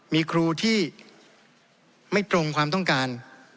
มีครูที่ไม่ตรงความต้องการ